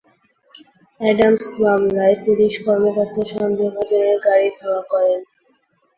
"Adams" মামলায়, police কর্মকর্তা সন্দেহভাজনের গাড়ি ধাওয়া করেন।